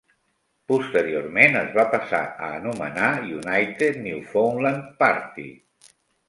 Posteriorment es va passar a anomenar United Newfoundland Party.